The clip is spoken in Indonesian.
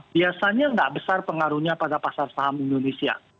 biasanya nggak besar pengaruhnya pada pasar saham indonesia